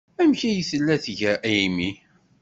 Amek ay tella tga Amy?